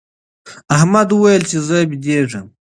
احمد وویل چي زه بېدېږم.